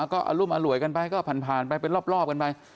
ก็อรุมอร่วยกันไปก็ผ่านไปเป็นรอบกันไป